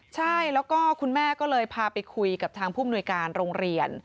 ใช่แล้วก็คุณแม่ก็เลยพาไปคุยกับทางผู้มนุยการโรงเรียน